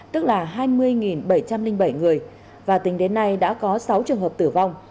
tức là hai mươi bảy trăm linh bảy người và tính đến nay đã có sáu trường hợp tử vong